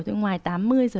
tôi ngoài tám mươi rồi